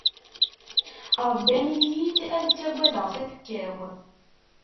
Ṛebban-iyi-d ad ttaggadeɣ tafekka-w.